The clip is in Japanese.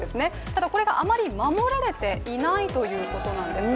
ただこれがあまり守られていないということなんです。